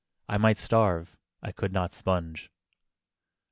"I might starve, I could not sponge!"